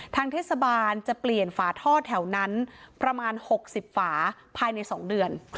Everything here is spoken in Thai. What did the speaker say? ทางเทศบาลจะเปลี่ยนฝาท่อแถวนั้นประมาณ๖๐ฝาภายใน๒เดือน